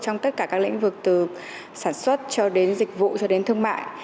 trong tất cả các lĩnh vực từ sản xuất cho đến dịch vụ cho đến thương mại